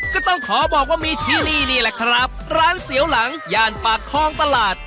ก็ต้องขอบอกว่ามีที่นี่นี่แหละครับร้านเสียวหลังย่านปากคลองตลาด